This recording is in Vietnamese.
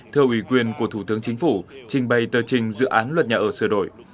theo ủy quyền của thủ tướng chính phủ trình bày tờ trình dự án luật nhà ở sửa đổi